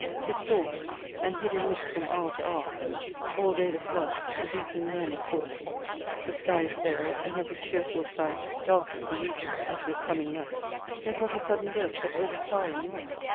'Tis storm; and hid in mist from hour to hour, All day the floods a deepening murmur pour; The sky is veiled, and every cheerful sight Dark is the region as with coming night; Yet what a sudden burst of overpowering light!